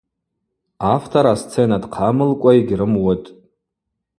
Автор асцена дхъамылкӏва йгьрымуытӏ.